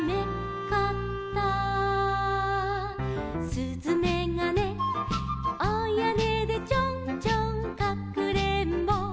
「すずめがねお屋根でちょんちょんかくれんぼ」